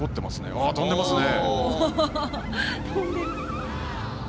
あ、飛んでますね。